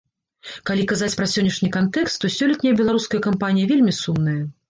Калі казаць пра сённяшні кантэкст, то сёлетняя беларуская кампанія вельмі сумная.